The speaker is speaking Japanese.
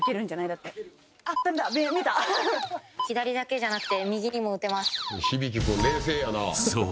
だって左だけじゃなくて右にも撃てますそう